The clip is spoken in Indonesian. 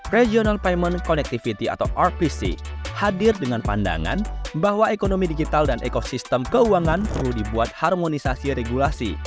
regional payment connectivity atau rpc hadir dengan pandangan bahwa ekonomi digital dan ekosistem keuangan perlu dibuat harmonisasi regulasi